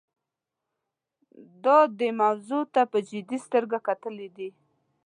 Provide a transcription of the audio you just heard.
دا دې موضوع ته په جدي سترګه کتلي دي.